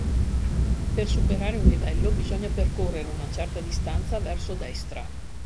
Per superare un livello bisogna percorrere una certa distanza verso destra.